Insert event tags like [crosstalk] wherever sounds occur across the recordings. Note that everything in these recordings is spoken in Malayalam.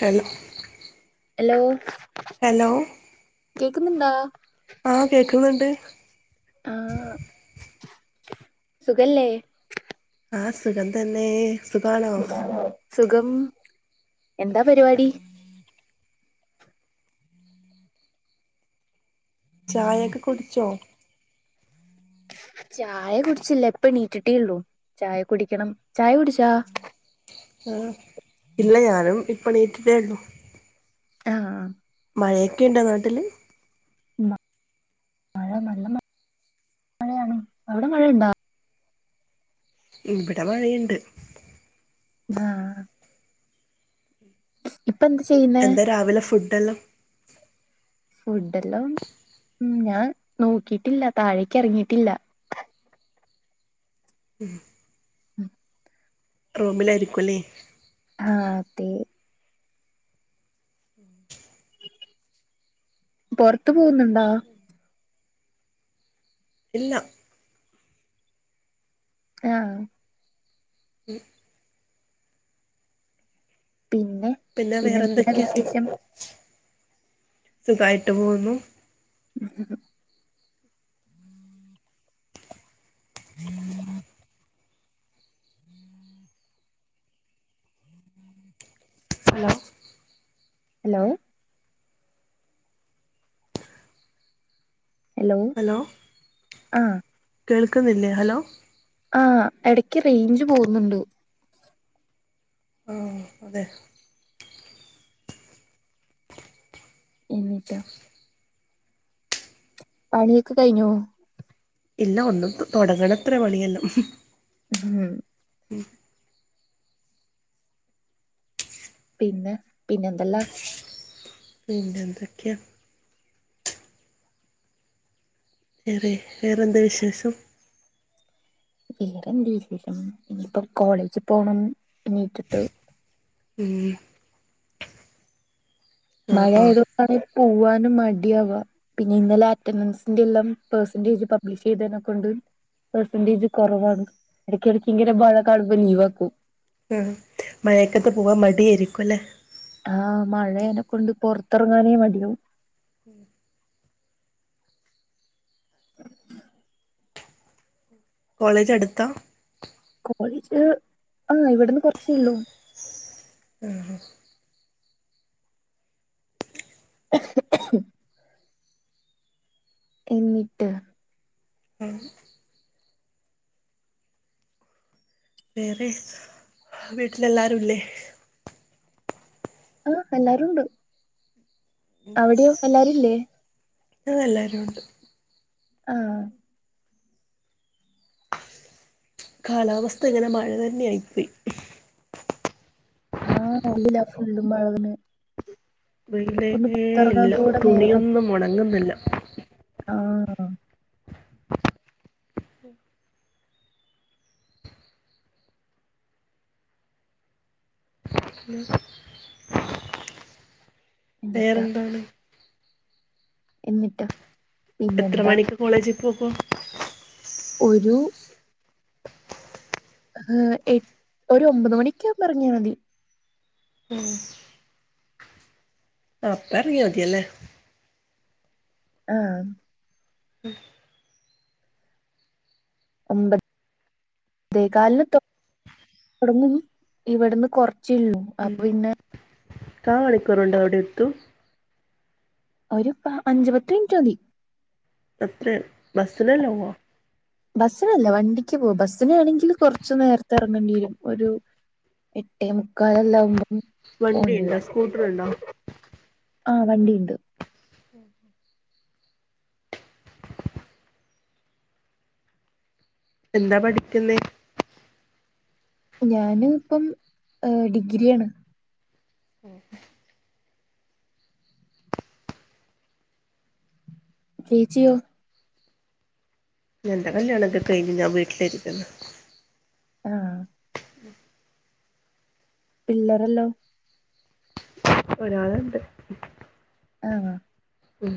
ഹലോ എലോ ഹലോ കേക്ക്ന്നുണ്ടോ ആഹ് കേക്ക്ന്ന്ണ്ട് ആഹ് സുഖല്ലേ ആഹ് സുഖ തന്നെ സുഖാണോ സുഖം എന്താ പരിവാടി ചായക്കെ കുട്ച്ചോ ചായ കുട്ച്ചില്ല ഇപ്പണീറ്റിട്ടേ ഒള്ളൂ ചായ കുടിക്കണം ചായ കുട്ച്ചോ ആ ഇല്ല ഞാനും ഇപ്പണീറ്റിട്ടേ ഒള്ളൂ ആഹ് മയൊക്കെ ഇണ്ടോ നാട്ട്ല് മ മഴ നല്ല മ മഴയാണ് അവ്ടെ മഴണ്ടാ ഇവ്ടെ മഴയ്ണ്ട് ആഹ് ഇപ്പ എന്ത് ചെയ്യ്ന് എന്താ രാവ്ലെ ഫുഡ്ല്ലാം ഫുഡല്ലോ ഉമ് ഞാൻ നോക്കിട്ട്ല്ല താഴേക്ക് എറ്ങ്ങിട്ടില്ല മ് [inaudible] റുംലായിരിക്കുല്ലേ ആഹ് അതെ [inaudible] പൊറ്ത്ത് പോവ്ന്നുണ്ടോ ഇല്ലാ ആഹ് മ് പിന്നെ പിന്നെ എന്താ വിശേഷം സുഖായ്ട്ട് പോവുന്നു [unintelligible] [unintelligible] അലോ ഹലോ ഹലോ ആഹ് കേള്ക്ക്ന്ന്ല്ലേ ഹലോ ആഹ് എട്ക്ക് റേയ്ഞ്ച് പോവുന്ന്ണ്ട് ആഹ് അതെ എന്നിട്ടോ പണിക്കെ കഴിഞ്ഞോ ഇല്ല ഒന്നു തൊടങ്ങണത്ര പണിയെല്ലാം ഉം പിന്നെ പിന്നെയെന്തല്ലാം - പിന്നെ എന്തെക്കെയാ വേറെ വേറെ എന്ത്‌ വിശേഷം വേറെന്ത് വിശേഷം ഇനിയിപ്പോ കോളേജ് പോണം എണിറ്റ്ട്ട് ഉം ആ മഴ ആ ആയതുകൊണ്ട് എവിടെയും പോവാനും മടിയാവുവ പിന്നെ ഇന്നലെ അറ്റൻഡൻസിന്റെ എല്ലം പേർസന്റേജ് പബ്ലിഷ് ചെയ്തെനക്കൊണ്ട്- പെർസെന്റേജ് കൊറവാണ് ഇടയ്ക്കിടയ്ക്ക് ഇങ്ങനെ ബാ [unintelligible] ഴ കാണുമ്പ ലീവാക്കും ആ മഴയക്കത്ത് പോവാൻ മടിയായിരിക്കും അല്ലേ? ആഹ് മഴേനെ കൊണ്ട് പൊറത്തിറങ്ങാനേ മടി ആവും [inaudible] കോളേജ് അടുത്താ കോളേജ് ആഹ് ഇവിടുന്ന് കൊ റച്ചേയുള്ളൂ ആഹ് എന്നിട്ട് ആഹ് വേറെ വീട്ടിലെല്ലാരു ഇല്ലേ? ആഹ് എല്ലാരുണ്ട് അവിടെയോ എല്ലാരും ഇല്ലേ ആഹ് എല്ലാരും ഉണ്ട് ആഹ് കാലാവസ്ഥ ഇങ്ങനെ മഴ തന്നെ ആയി പോയി ആഹ് ഉള്ളിലാ ഫുള്ളും മഴ തന്നെയാ വെയിൽ രേഖയെ ഇല്ല കൂടെ നേരെ പറ്റി തുണിയൊന്നും ഒണങ്ങുന്നില്ല ആഹ് [inaudible] വേറെ എന്നിട്ടാ എന്തുവാണ് എന്നിട്ട് എത്ര മണിക്ക് കോളേജിൽ പോകും? ഒരു- എട് ഒരു ഒമ്പത് മണിക്കാവുമ്പോ എറങ്ങിയാ മതി ഉം അപ്പ എറങ്ങിയ മതിയല്ലേ ആഹ് ഉം [inaudible] കണ്ട് പത്തേ കാലിന് തൊടങ്ങും ഇവിടുന്ന് കൊറച്ചേ ഉള്ളൂ ഉം കാ മണിക്കൂറ് കൊണ്ട് അവിടെ എത്തും ഒരു പ അഞ്ച് പത്ത് മിനിറ്റ് മതി അത്രേയുള്ളൂ ബസ്സിനല്ലേ പോവാ? ബസ്സിനല്ല വണ്ടിക്കെ പോകു ബസ്സിനാണെങ്കി കൊറച്ചു നേരത്തെ എറങ്ങണ്ടി വരും ഒരു എട്ടേ മുക്കാല് അല്ല ഒൻപതു - ഓ വണ്ടി ഉണ്ടോ വരും സ്കൂട്ടർ ഉണ്ടോ ആഹ് വണ്ടിയിണ്ട് ഉം എന്താ പഠിക്കുന്നേ ഞാന് പ്പം ഡിഗ്രിയാണ് ഓഹ് ചേച്ചിയോ എന്റെ കല്യാണൊക്കെ കഴിഞ്ഞ് ഞാൻ വീട്ടിലിരിക്കുന്നു ആഹ് ഉം പിള്ളറെല്ലോ ഒരാളിണ്ട് ആണോ? ഉം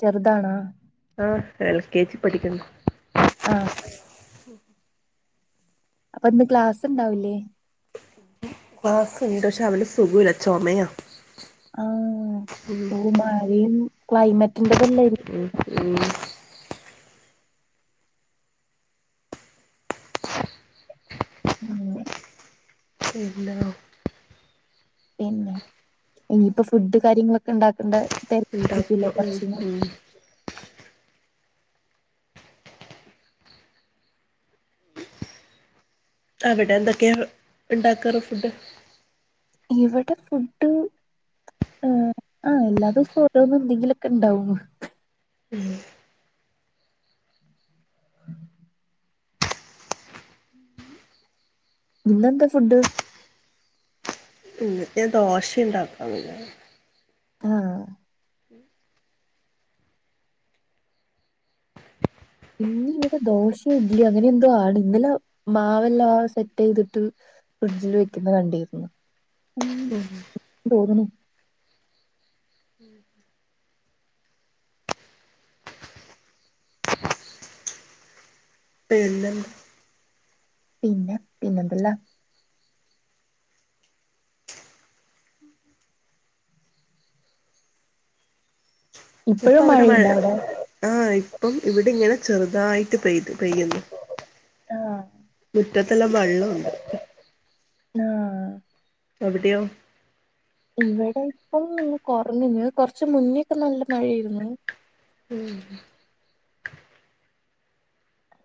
ചെറുതാണാ ആഹ് എൽ കെ ജി പഠിക്കുന്നു ആഹ് അപ്പൊ ഇന്ന് ക്ലാസ്ണ്ടാവില്ലേ? ക്ലാസ്സുണ്ട് ക്ഷെ അവന് സുഖല്ല ചൊമയാ ആഹ് ഓ മഴയും ക്ലൈമറ്റിന്റെതല്ലായിരി ഉം ഉം ഉം ണ്ടോ പിന്നെ ഇനിയിപ്പോ ഫുഡ് കാര്യങ്ങളൊക്കെ ഉണ്ടാക്കണ്ട തെരക്കയ്ക്കുല്ലേ ഉണ്ടാക്കണം ഉം കൊറച്ചയ്ഞാ ഉം അവിടെ എന്തൊക്കെയാ ഉണ്ടാക്കാറ് ഫുഡ് ഇവിടെ ഫുഡ് ആഹ് എല്ലാ ദിവസവും ഓരോന്നും എന്തെങ്കിലുക്കെ ഉണ്ടാവു ഉം ഉം ഇന്നെന്താ ഫുഡ് ന്ന് ഞാൻ ദോശണ്ടാക്കാന്ന് ആഹ് ഇന്ന് ഇവിടെ ദോഷോ ഇഡ്ലിയോ അങ്ങനെ എന്തോ ആണ് ഇന്നലെ മാവെല്ലാം സെറ്റയ്തിട്ട് ഫ്രിഡ്ജിൽ വെക്കുന്നത് കണ്ടിരുന്നു ഉം തോന്ന്ണ് ഉം പെര്ന്തല്ല് പിന്നെ പിന്നെന്തല്ല ഇപ്പ ഇപ്പഴും അവിടെ മഴ മഴയുണ്ടോ അവിടെ ആഹ് ഇപ്പം ഇവിടെ ഇങ്ങനെ ചെറുതായിട്ട് പെയതു പെയ്യുന്നു ആഹ് മുറ്റത്തെല്ലാം വെള്ളംണ്ട് ആഹ് അവിടെയോ ഇവിടെപ്പം ഒന്ന് കൊറഞ്ഞു കൊറച്ച് മുന്നെക്കെ നല്ല മഴായിരുന്നു ഉം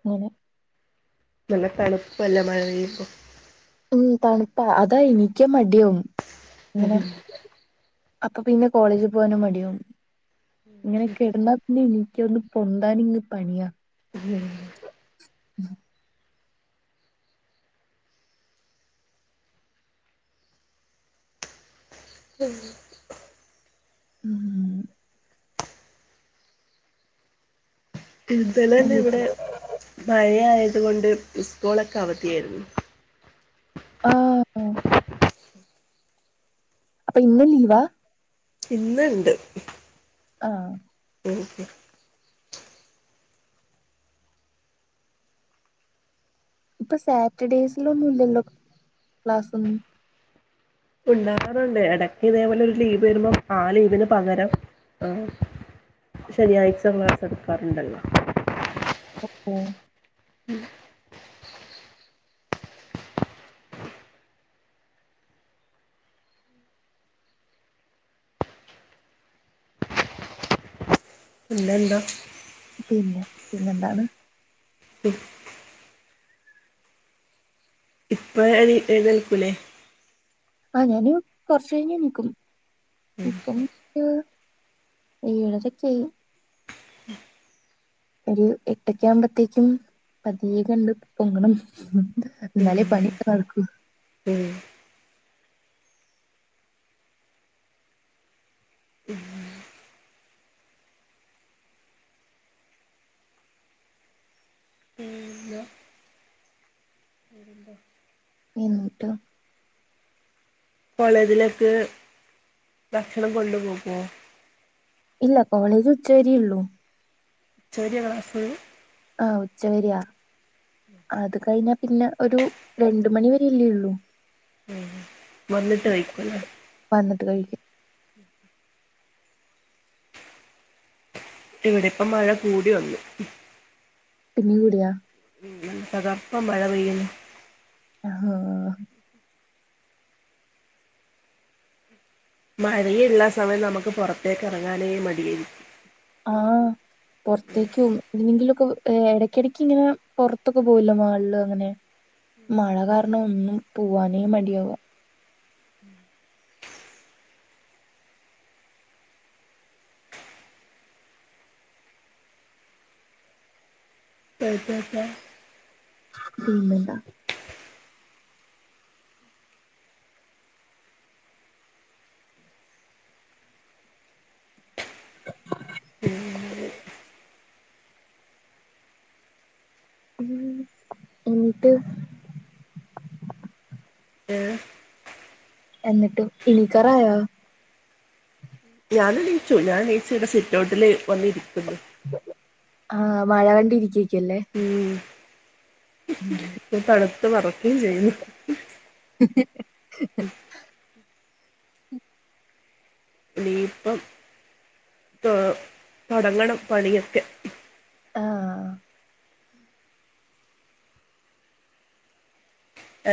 ങ്ങനെ നല്ല തണുപ്പല്ലെ മഴ പെയ്യുമ്പോ ഉം തണുപ്പാ അതാ എനിക്കും മടിയാവും ഇങ്ങനെ. അപ്പൊ പിന്നെ കോളേജിൽ പോകാനും മടിയാവും. ഇങ്ങനെ കെട്ന്നാ പിന്നെ എനിക്കൊന്ന് പൊന്താനിങ്ങ് പണിയാ. [unintelligible] ഉം. ഉം. ഇന്തലെ തന്നെ ഇവിടെ എണീറ്റില്ലേ മഴയായത് കൊണ്ട് ഇസ്കൂളൊക്കെ അവധിയായിരുന്നു. ആഹ്. അപ്പൊ ഇന്നും ലീവാ? ഇന്ന് ണ്ട്. ആഹ്. [unintelligible] ഇപ്പൊ സാറ്റർഡേയ്സിലൊന്നും ഇല്ലല്ലോ ക്ലാസ്സൊന്നും? ഉണ്ടാവാറുണ്ട് എടക്ക് ഇതേപോലെ ഒരു ലീവ് വരുമ്പോം ആ ലീവിന് പകരം ആഹ്. ശെനിയാഴ്ച ക്ലാസ് എടുക്കാറുണ്ടല്ലോ. ഓഹൊ. ഉം പിന്നെന്താ? പിന്നെ പിന്നെന്താണ്? ഉം ഇപ്പ എണി എഴുന്നേൽക്കൂല്ലേ? ആഹ് ഞാന് കൊറച്ച് കഴിഞ്ഞ് എണീക്കും. ഇപ്പം ഒരു ഏഴരൊക്കായി. ഒരു എട്ടൊക്കെ ആവുമ്പത്തേക്കും പതിയെ കണ്ട് പൊങ്ങണം. ഉം ഇന്നാലേ പണി ഒക്കെ നടക്കൂ. ഉം. പിന്നെ എണീറ്റോ കോളേജിലേക്ക് ഭക്ഷണം കൊണ്ടു പോകോ? ഇല്ല കോളേജ് ഉച്ച വരെ ഉള്ളൂ. ഉച്ച വര്യാ ക്ലാസ്? ആഹ് ഉച്ച വര്യാ. അത് കഴിഞ്ഞാ പിന്നെ ഒരു രണ്ട് മണി വരെ അല്ലേ ള്ളൂ. ഉം. വന്നിട്ട് കഴിക്കു ല്ലേ. വന്നിട്ട് കഴിക്കും. ഇവടിപ്പം മഴ കൂടി വന്ന്. പിന്നിം കൂടിയാ? ഉം നല്ല തകർപ്പം മഴ പെയ്യ്ണ്. ആഹ് ഹാ. മഴയ്ള്ളാ സമയം നമുക്ക് പുറത്തേക്ക് ഇറങ്ങാനേ മടിയായി ആഹ്. പുറത്തേക്കും എന്തിനെങ്കിലൊക്കെ എടയ്ക്കിടക്ക് ഇങ്ങനെ പുറത്തൊക്കെ പോവൊല്ലോ മാളില് അങ്ങനെ. മഴ കാരണം ഒന്നും പോവാനേ മടിയാവാ. [unintelligible] [unintelligible] ഉം എന്നിട്ട് [inaudible] എന്നിട്ട് ഇണിക്കറായോ ഞാാനണീച്ചു ഞാൻ എണീറ്റ് ഇവിടെ സിറ്റ് ഔട്ടിൽ വന്നിരിക്കുന്നു ആഹ് മഴ കണ്ടി ഇരിക്കക്കല്ലേ ഉം ഉം [inaudible] തണുത്ത് വിറക്കും ചെയ്യും [unintelligible] ഇപ്പം ആഹ് തുടങ്ങണം പണിയൊക്കെ ആഹ്‌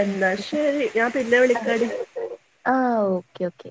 എന്നാ ശരി ഞാൻ പിന്നെ വിളിക്കാടി ആഹ് ഓക്കേ ഓക്കേ